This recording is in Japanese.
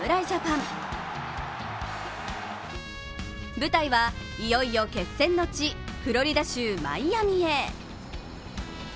舞台はいよいよ決戦の地、フロリダ州マイアミへ。